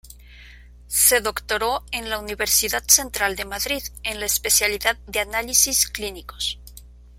Se doctoró en la Universidad Central de Madrid, en la especialidad de análisis clínicos.